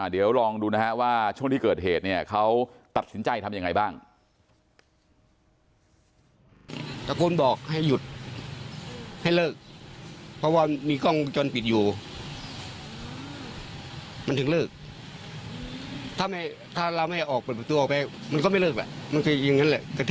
เดี๋ยวลองดูช่วงที่เกิดเหตุเค้าตัดสินใจทำยังไงบ้าง